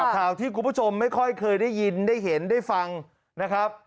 ข่าวที่คุณผู้ชมไม่ค่อยเคยได้ยินได้เห็นได้ฟังนะครับ